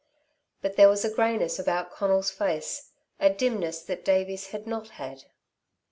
But there was a greyness about Conal's face, a dimness that Davey's had not had.